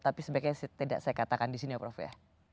tapi sebaiknya tidak saya katakan di sini ya prof ya